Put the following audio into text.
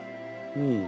うん。